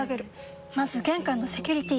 まず玄関のセキュリティ！